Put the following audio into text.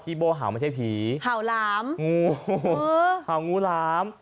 ที่โบ้ห่าวไม่ใช่ผีห่าวหลาม